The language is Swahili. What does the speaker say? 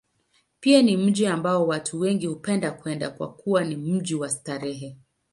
Pia ni mji ambao watu wengi hupenda kwenda, kwa kuwa ni mji wa starehe.